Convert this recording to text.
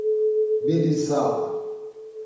Berizal